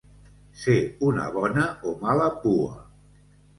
Ser una bona o mala pua.